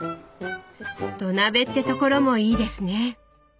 土鍋ってところもいいですね。